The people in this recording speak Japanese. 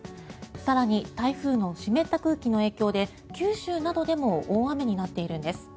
更に、台風の湿った空気の影響で九州などでも大雨になっているんです。